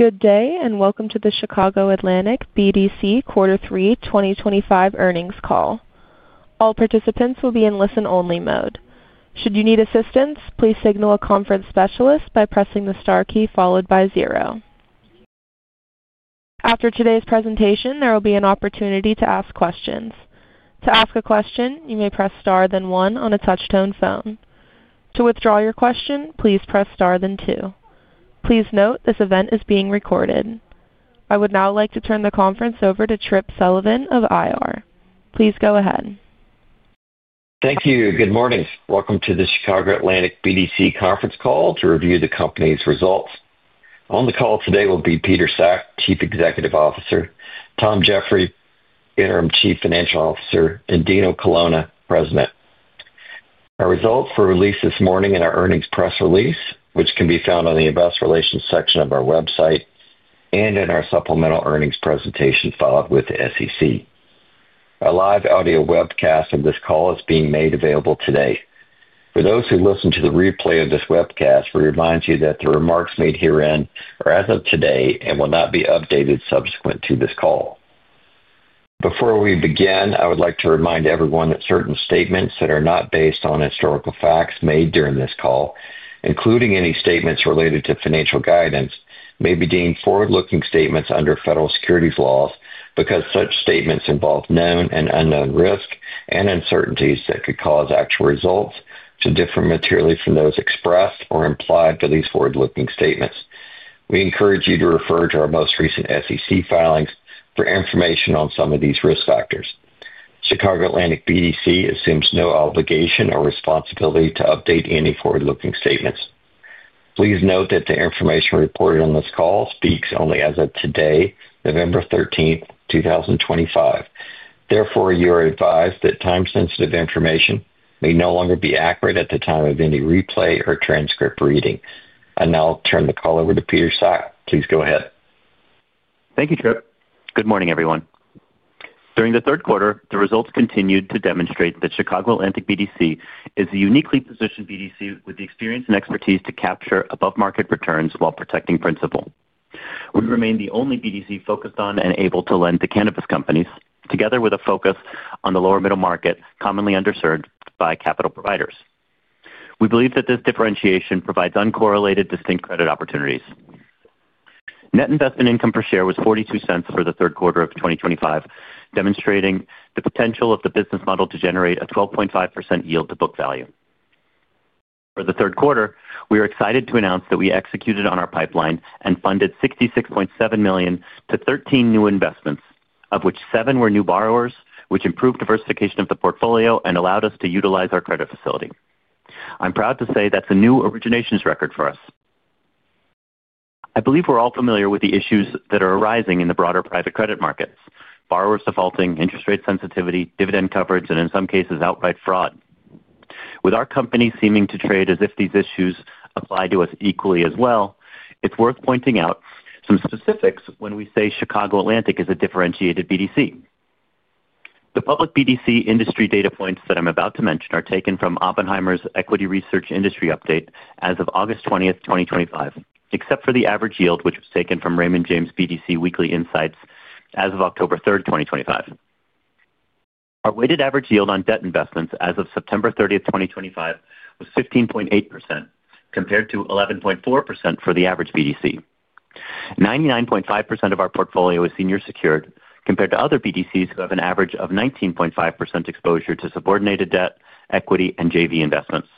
Good day, and welcome to the Chicago Atlantic BDC quarter three 2025 earnings call. All participants will be in listen-only mode. Should you need assistance, please signal a conference specialist by pressing the star key followed by zero. After today's presentation, there will be an opportunity to ask questions. To ask a question, you may press star then one on a touch-tone phone. To withdraw your question, please press star then two. Please note this event is being recorded. I would now like to turn the conference over to Tripp Sullivan of IR. Please go ahead. Thank you. Good morning. Welcome to the Chicago Atlantic BDC conference call to review the company's results. On the call today will be Peter Sack, Chief Executive Officer; Tom Geoffroy, Interim Chief Financial Officer; and Dino Colonna, President. Our results were released this morning in our earnings press release, which can be found on the investor relations section of our website and in our supplemental earnings presentation filed with the SEC. A live audio webcast of this call is being made available today. For those who listen to the replay of this webcast, we remind you that the remarks made herein are as of today and will not be updated subsequent to this call. Before we begin, I would like to remind everyone that certain statements that are not based on historical facts made during this call, including any statements related to financial guidance, may be deemed forward-looking statements under federal securities laws because such statements involve known and unknown risk and uncertainties that could cause actual results to differ materially from those expressed or implied by these forward-looking statements. We encourage you to refer to our most recent SEC filings for information on some of these risk factors. Chicago Atlantic BDC assumes no obligation or responsibility to update any forward-looking statements. Please note that the information reported on this call speaks only as of today, November 13th, 2025. Therefore, you are advised that time-sensitive information may no longer be accurate at the time of any replay or transcript reading. I now turn the call over to Peter Sack. Please go ahead. Thank you, Tripp. Good morning, everyone. During the third quarter, the results continued to demonstrate that Chicago Atlantic BDC is a uniquely positioned BDC with the experience and expertise to capture above-market returns while protecting principal. We remain the only BDC focused on and able to lend to cannabis companies, together with a focus on the lower-middle market, commonly underserved by capital providers. We believe that this differentiation provides uncorrelated, distinct credit opportunities. Net investment income per share was $0.42 for the third quarter of 2025, demonstrating the potential of the business model to generate a 12.5% yield to book value. For the third quarter, we are excited to announce that we executed on our pipeline and funded $66.7 million to 13 new investments, of which seven were new borrowers, which improved diversification of the portfolio and allowed us to utilize our credit facility. I'm proud to say that's a new originations record for us. I believe we're all familiar with the issues that are arising in the broader private credit markets: borrowers defaulting, interest rate sensitivity, dividend coverage, and in some cases, outright fraud. With our company seeming to trade as if these issues apply to us equally as well, it's worth pointing out some specifics when we say Chicago Atlantic is a differentiated BDC. The public BDC industry data points that I'm about to mention are taken from Oppenheimer's Equity Research Industry Update as of August 20th, 2025, except for the average yield, which was taken from Raymond James BDC Weekly Insights as of October 3rd, 2025. Our weighted average yield on debt investments as of September 30th, 2025, was 15.8%, compared to 11.4% for the average BDC. 99.5% of our portfolio is senior secured, compared to other BDCs who have an average of 19.5% exposure to subordinated debt, equity, and JV investments.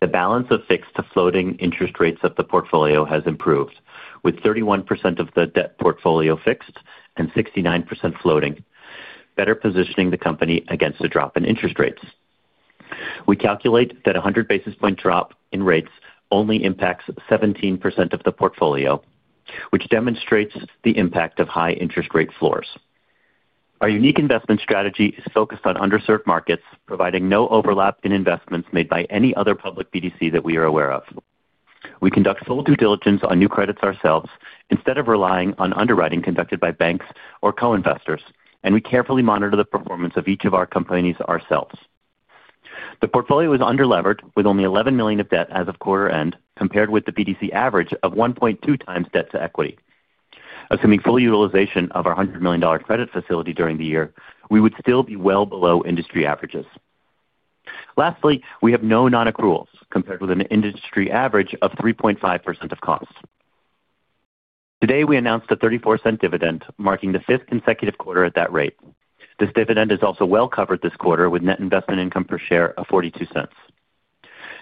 The balance of fixed to floating interest rates of the portfolio has improved, with 31% of the debt portfolio fixed and 69% floating, better positioning the company against a drop in interest rates. We calculate that a 100 basis point drop in rates only impacts 17% of the portfolio, which demonstrates the impact of high interest rate floors. Our unique investment strategy is focused on underserved markets, providing no overlap in investments made by any other public BDC that we are aware of. We conduct full due diligence on new credits ourselves instead of relying on underwriting conducted by banks or co-investors, and we carefully monitor the performance of each of our companies ourselves. The portfolio is under-levered, with only $11 million of debt as of quarter end, compared with the BDC average of 1.2x debt to equity. Assuming full utilization of our $100 million credit facility during the year, we would still be well below industry averages. Lastly, we have no non-accruals, compared with an industry average of 3.5% of cost. Today, we announced a $0.34 dividend, marking the fifth consecutive quarter at that rate. This dividend is also well covered this quarter, with net investment income per share of $0.42.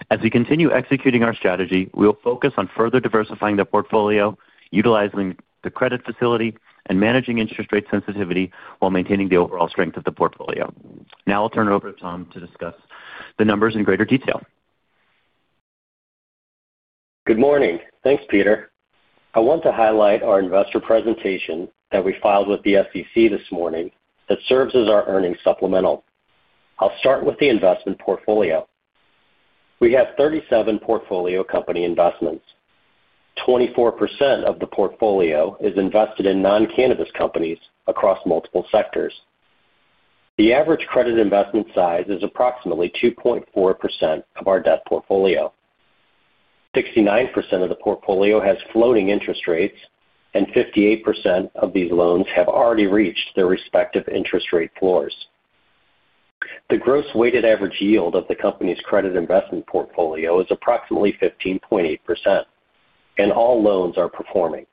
As we continue executing our strategy, we will focus on further diversifying the portfolio, utilizing the credit facility, and managing interest rate sensitivity while maintaining the overall strength of the portfolio. Now I'll turn it over to Tom to discuss the numbers in greater detail. Good morning. Thanks, Peter. I want to highlight our investor presentation that we filed with the SEC this morning that serves as our earnings supplemental. I'll start with the investment portfolio. We have 37 portfolio company investments. 24% of the portfolio is invested in non-cannabis companies across multiple sectors. The average credit investment size is approximately 2.4% of our debt portfolio. 69% of the portfolio has floating interest rates, and 58% of these loans have already reached their respective interest rate floors. The gross weighted average yield of the company's credit investment portfolio is approximately 15.8%, and all loans are performing.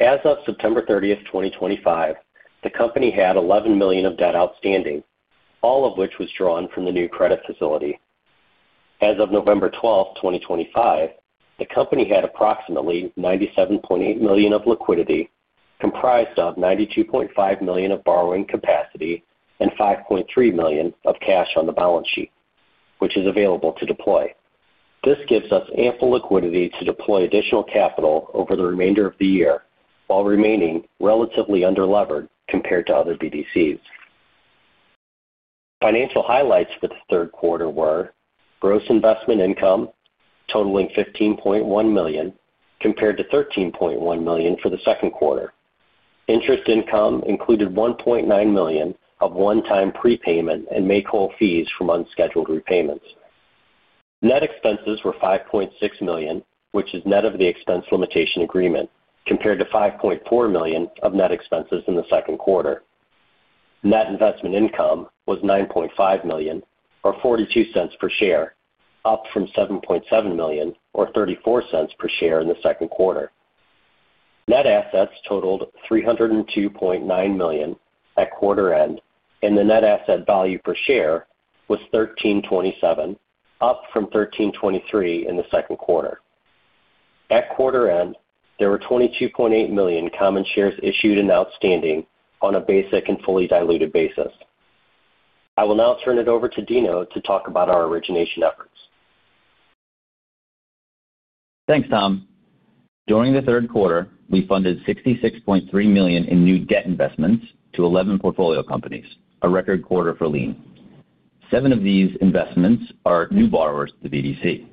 As of September 30th, 2025, the company had $11 million of debt outstanding, all of which was drawn from the new credit facility. As of November 12th, 2025, the company had approximately $97.8 million of liquidity, comprised of $92.5 million of borrowing capacity and $5.3 million of cash on the balance sheet, which is available to deploy. This gives us ample liquidity to deploy additional capital over the remainder of the year while remaining relatively under-levered compared to other BDCs. Financial highlights for the third quarter were gross investment income totaling $15.1 million, compared to $13.1 million for the second quarter. Interest income included $1.9 million of one-time prepayment and make-whole fees from unscheduled repayments. Net expenses were $5.6 million, which is net of the expense limitation agreement, compared to $5.4 million of net expenses in the second quarter. Net investment income was $9.5 million, or $0.42 per share, up from $7.7 million, or $0.34 per share in the second quarter. Net assets totaled $302.9 million at quarter end, and the net asset value per share was $13.27, up from $13.23 in the second quarter. At quarter end, there were 22.8 million common shares issued and outstanding on a basic and fully diluted basis. I will now turn it over to Dino to talk about our origination efforts. Thanks, Tom. During the third quarter, we funded $66.3 million in new debt investments to 11 portfolio companies, a record quarter for lean. Seven of these investments are new borrowers to the BDC.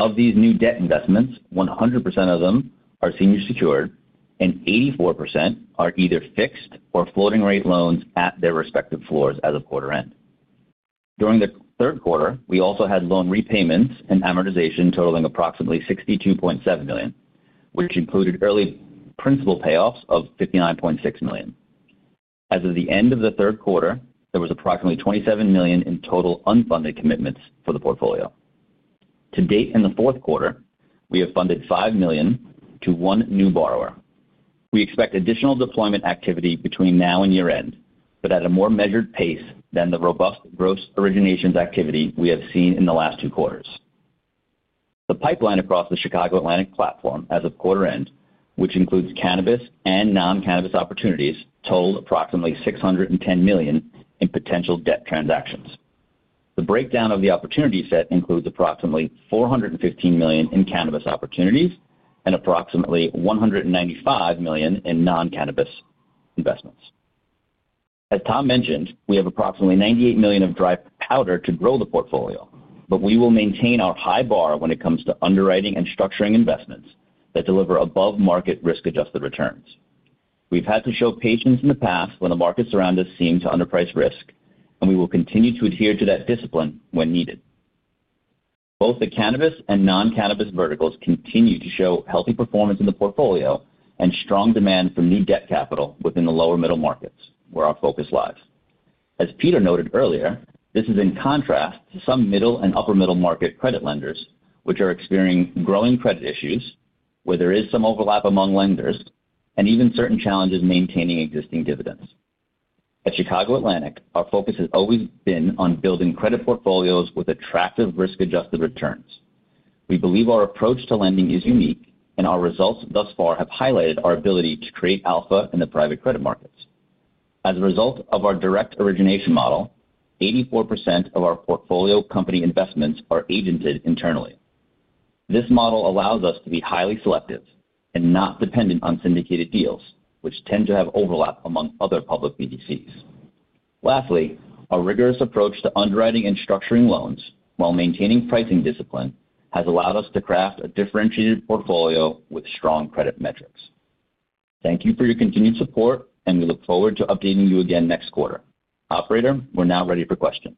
Of these new debt investments, 100% of them are senior secured, and 84% are either fixed or floating-rate loans at their respective floors as of quarter end. During the third quarter, we also had loan repayments and amortization totaling approximately $62.7 million, which included early principal payoffs of $59.6 million. As of the end of the third quarter, there was approximately $27 million in total unfunded commitments for the portfolio. To date in the fourth quarter, we have funded $5 million to one new borrower. We expect additional deployment activity between now and year-end, but at a more measured pace than the robust gross originations activity we have seen in the last two quarters. The pipeline across the Chicago Atlantic platform as of quarter end, which includes cannabis and non-cannabis opportunities, totaled approximately $610 million in potential debt transactions. The breakdown of the opportunity set includes approximately $415 million in cannabis opportunities and approximately $195 million in non-cannabis investments. As Tom mentioned, we have approximately $98 million of dry powder to grow the portfolio, but we will maintain our high bar when it comes to underwriting and structuring investments that deliver above-market risk-adjusted returns. We have had to show patience in the past when the markets around us seem to underprice risk, and we will continue to adhere to that discipline when needed. Both the cannabis and non-cannabis verticals continue to show healthy performance in the portfolio and strong demand for new debt capital within the lower-middle markets, where our focus lies. As Peter noted earlier, this is in contrast to some middle and upper-middle market credit lenders, which are experiencing growing credit issues, where there is some overlap among lenders, and even certain challenges maintaining existing dividends. At Chicago Atlantic, our focus has always been on building credit portfolios with attractive risk-adjusted returns. We believe our approach to lending is unique, and our results thus far have highlighted our ability to create alpha in the private credit markets. As a result of our direct origination model, 84% of our portfolio company investments are agented internally. This model allows us to be highly selective and not dependent on syndicated deals, which tend to have overlap among other public BDCs. Lastly, our rigorous approach to underwriting and structuring loans, while maintaining pricing discipline, has allowed us to craft a differentiated portfolio with strong credit metrics. Thank you for your continued support, and we look forward to updating you again next quarter. Operator, we're now ready for questions.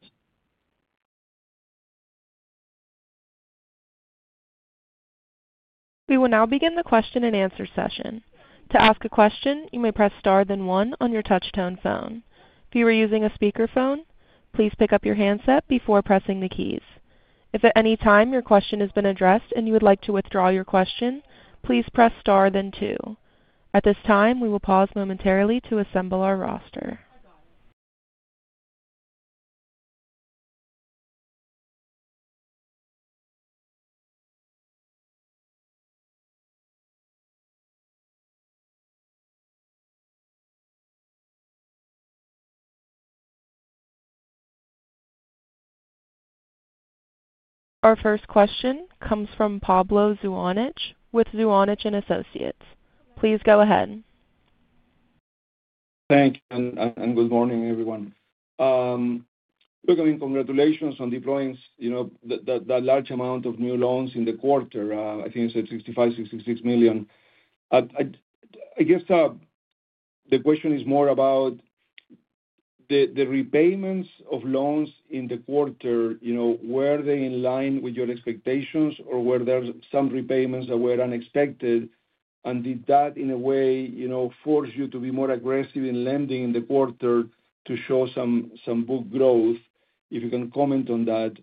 We will now begin the question-and-answer session. To ask a question, you may press star then one on your touch-tone phone. If you are using a speakerphone, please pick up your handset before pressing the keys. If at any time your question has been addressed and you would like to withdraw your question, please press star then two. At this time, we will pause momentarily to assemble our roster. Our first question comes from Pablo Zuanic with Zuanic & Associates. Please go ahead. Thank you, and good morning, everyone. Look, I mean, congratulations on deploying that large amount of new loans in the quarter. I think you said $65 million, $66 million. I guess the question is more about the repayments of loans in the quarter. Were they in line with your expectations, or were there some repayments that were unexpected? Did that, in a way, force you to be more aggressive in lending in the quarter to show some book growth? If you can comment on that.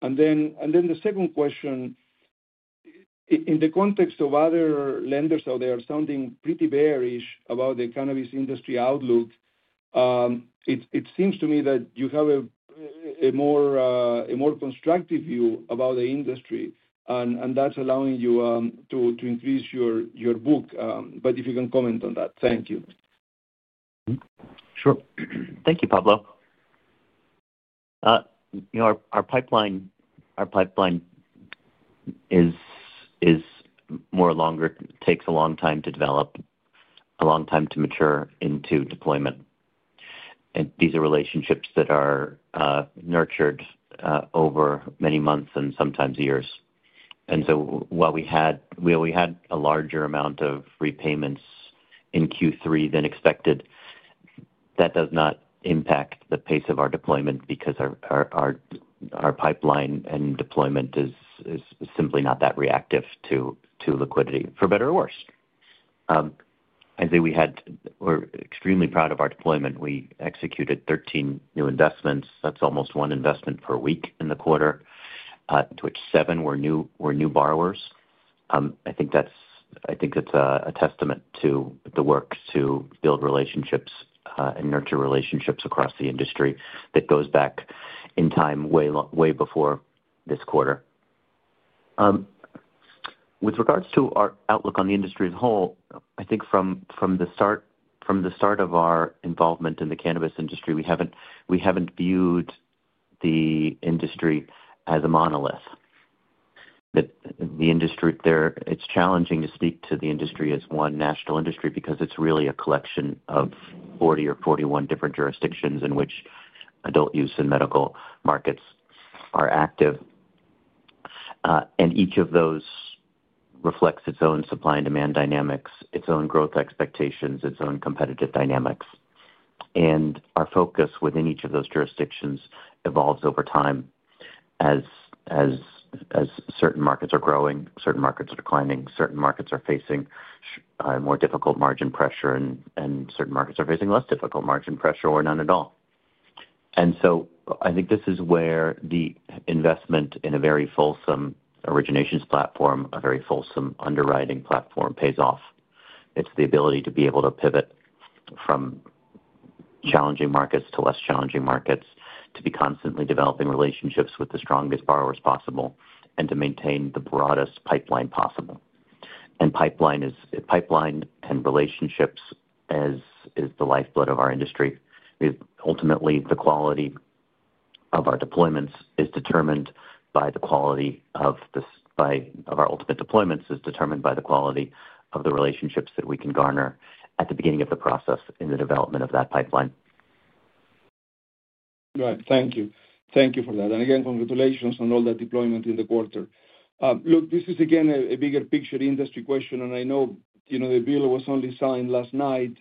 The second question, in the context of other lenders out there sounding pretty bearish about the cannabis industry outlook, it seems to me that you have a more constructive view about the industry, and that's allowing you to increase your book. If you can comment on that. Thank you. Sure. Thank you, Pablo. Our pipeline is more longer. It takes a long time to develop, a long time to mature into deployment. These are relationships that are nurtured over many months and sometimes years. While we had a larger amount of repayments in Q3 than expected, that does not impact the pace of our deployment because our pipeline and deployment is simply not that reactive to liquidity, for better or worse. I think we had—we are extremely proud of our deployment. We executed 13 new investments. That is almost one investment per week in the quarter, of which seven were new borrowers. I think that is a testament to the work to build relationships and nurture relationships across the industry that goes back in time way before this quarter. With regards to our outlook on the industry as a whole, I think from the start of our involvement in the cannabis industry, we haven't viewed the industry as a monolith. It's challenging to speak to the industry as one national industry because it's really a collection of 40 or 41 different jurisdictions in which adult use and medical markets are active. Each of those reflects its own supply and demand dynamics, its own growth expectations, its own competitive dynamics. Our focus within each of those jurisdictions evolves over time as certain markets are growing, certain markets are declining, certain markets are facing more difficult margin pressure, and certain markets are facing less difficult margin pressure or none at all. I think this is where the investment in a very fulsome originations platform, a very fulsome underwriting platform, pays off. It's the ability to be able to pivot from challenging markets to less challenging markets, to be constantly developing relationships with the strongest borrowers possible, and to maintain the broadest pipeline possible. Pipeline and relationships is the lifeblood of our industry. Ultimately, the quality of our deployments is determined by the quality of the relationships that we can garner at the beginning of the process in the development of that pipeline. Right. Thank you. Thank you for that. Again, congratulations on all that deployment in the quarter. Look, this is, again, a bigger picture industry question. I know the bill was only signed last night,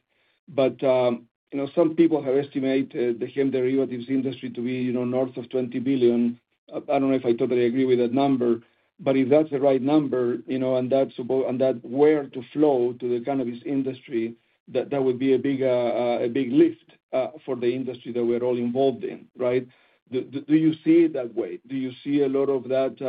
but some people have estimated the hemp derivatives industry to be north of $20 billion. I do not know if I totally agree with that number, but if that is the right number and that is where to flow to the cannabis industry, that would be a big lift for the industry that we are all involved in, right? Do you see it that way? Do you see a lot of that,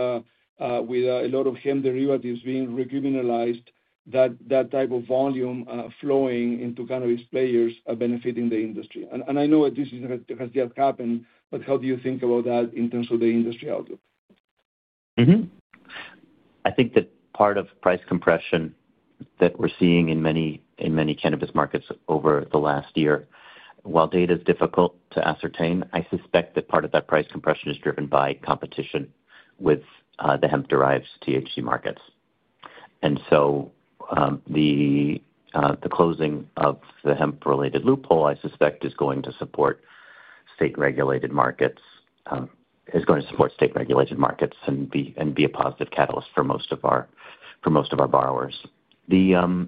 with a lot of hemp derivatives being recriminalized, that type of volume flowing into cannabis players benefiting the industry? I know that this has just happened, but how do you think about that in terms of the industry outlook? I think that part of price compression that we're seeing in many cannabis markets over the last year, while data is difficult to ascertain, I suspect that part of that price compression is driven by competition with the hemp-derived THC markets. The closing of the hemp-related loophole, I suspect, is going to support state-regulated markets and be a positive catalyst for most of our borrowers. I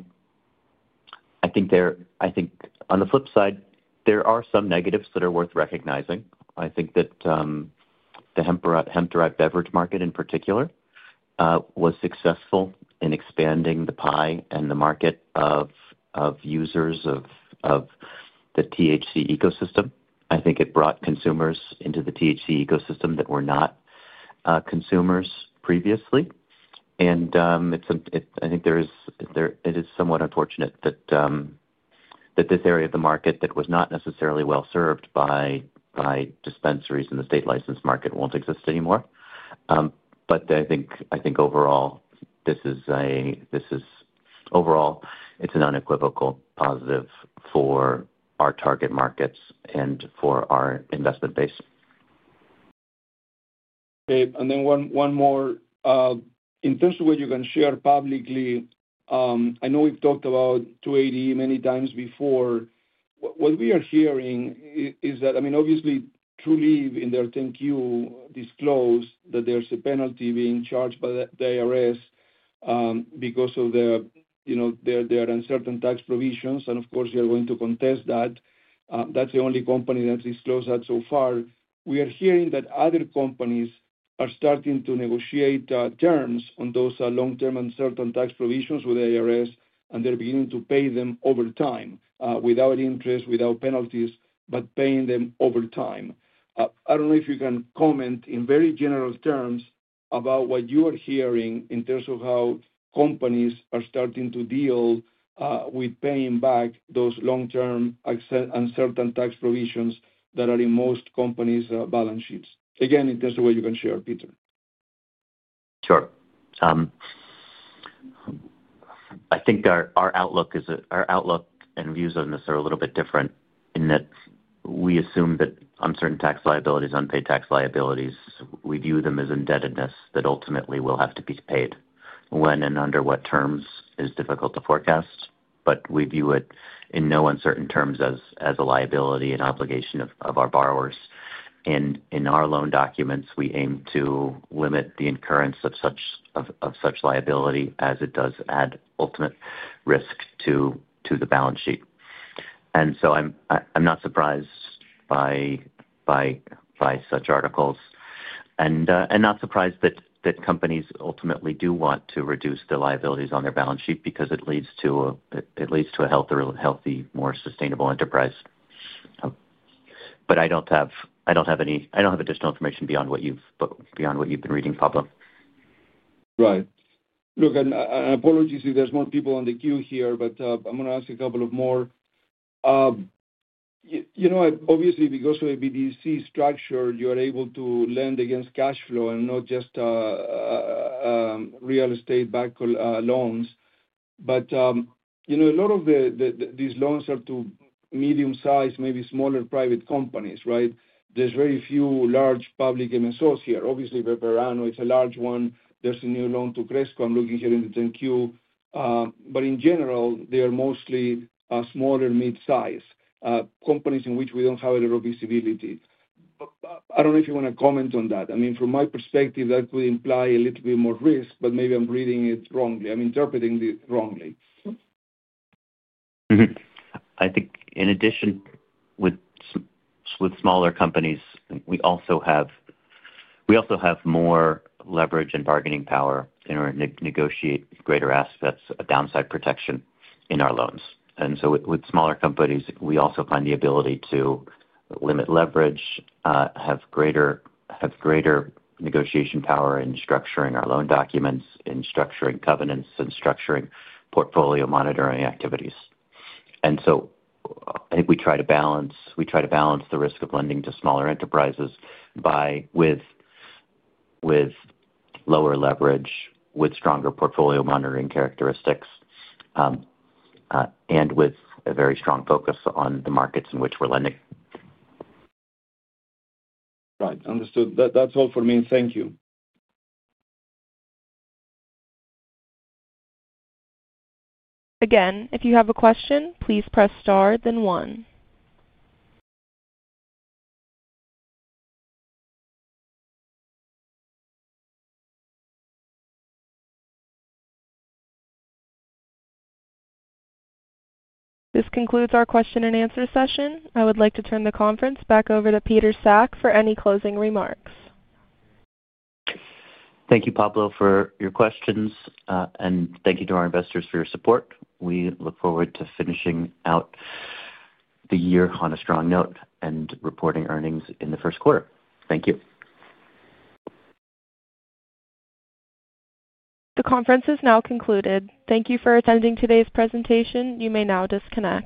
think on the flip side, there are some negatives that are worth recognizing. I think that the hemp-derived beverage market, in particular, was successful in expanding the pie and the market of users of the THC ecosystem. I think it brought consumers into the THC ecosystem that were not consumers previously. I think it is somewhat unfortunate that this area of the market that was not necessarily well served by dispensaries in the state-licensed market will not exist anymore. I think overall, this is overall, it's an unequivocal positive for our target markets and for our investment base. Okay. And then one more. In terms of what you can share publicly, I know we've talked about 280E many times before. What we are hearing is that, I mean, obviously, Trulieve, in their 10Q, disclosed that there's a penalty being charged by the IRS because of their uncertain tax provisions. Of course, you're going to contest that. That's the only company that's disclosed that so far. We are hearing that other companies are starting to negotiate terms on those long-term uncertain tax provisions with the IRS, and they're beginning to pay them over time without interest, without penalties, but paying them over time. I don't know if you can comment in very general terms about what you are hearing in terms of how companies are starting to deal with paying back those long-term uncertain tax provisions that are in most companies' balance sheets. Again, in terms of what you can share, Peter. Sure. I think our outlook and views on this are a little bit different in that we assume that uncertain tax liabilities, unpaid tax liabilities, we view them as indebtedness that ultimately will have to be paid. When and under what terms is difficult to forecast. We view it in no uncertain terms as a liability and obligation of our borrowers. In our loan documents, we aim to limit the incurrence of such liability as it does add ultimate risk to the balance sheet. I am not surprised by such articles and not surprised that companies ultimately do want to reduce their liabilities on their balance sheet because it leads to a healthy, more sustainable enterprise. I do not have any, I do not have additional information beyond what you have been reading, Pablo. Right. Look, and apologies if there's more people on the queue here, but I'm going to ask a couple of more. Obviously, because of a BDC structure, you are able to lend against cash flow and not just real estate-backed loans. But a lot of these loans are to medium-sized, maybe smaller private companies, right? There's very few large public MSOs here. Obviously, Verano is a large one. There's a new loan to Cresco. I'm looking here in the 10Q. But in general, they are mostly smaller, mid-size companies in which we don't have a lot of visibility. I don't know if you want to comment on that. I mean, from my perspective, that would imply a little bit more risk, but maybe I'm reading it wrongly. I'm interpreting it wrongly. I think in addition, with smaller companies, we also have more leverage and bargaining power in our negotiate greater aspects, a downside protection in our loans. With smaller companies, we also find the ability to limit leverage, have greater negotiation power in structuring our loan documents, in structuring covenants, and structuring portfolio monitoring activities. I think we try to balance the risk of lending to smaller enterprises with lower leverage, with stronger portfolio monitoring characteristics, and with a very strong focus on the markets in which we're lending. Right. Understood. That's all for me. Thank you. Again, if you have a question, please press star then one. This concludes our question-and-answer session. I would like to turn the conference back over to Peter Sack for any closing remarks. Thank you, Pablo, for your questions, and thank you to our investors for your support. We look forward to finishing out the year on a strong note and reporting earnings in the first quarter. Thank you. The conference is now concluded. Thank you for attending today's presentation. You may now disconnect.